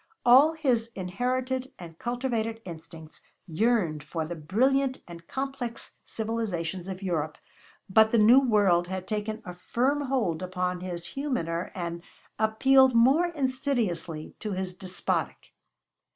All his inherited and cultivated instincts yearned for the brilliant and complex civilizations of Europe, but the new world had taken a firm hold upon his humaner and appealed more insidiously to his despotic.